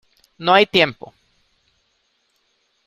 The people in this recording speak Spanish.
no hay tiempo.